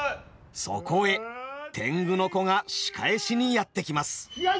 そこへ天狗の子が仕返しにやって来ます。